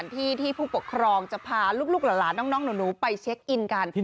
พี่ผู้ปกครองจะพาลูกลูกละน้องนู่นไปเช็คอินกัน